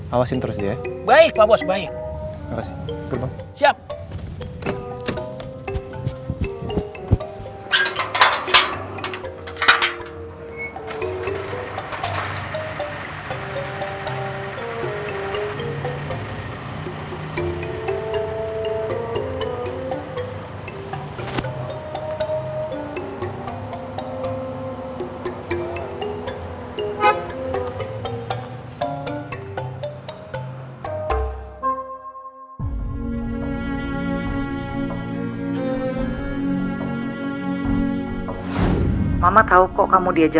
awasin terus dia ya